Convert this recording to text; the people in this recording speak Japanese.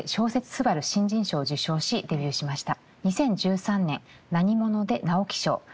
すばる新人賞を受賞しデビューしました。